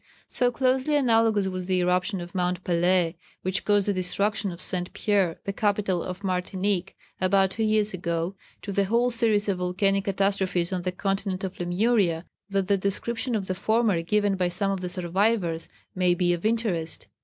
So closely analogous was the eruption of Mount Pelée, which caused the destruction of St. Pièrre, the capital of Martinique, about two years ago, to the whole series of volcanic catastrophes on the continent of Lemuria, that the description of the former given by some of the survivors may be of interest.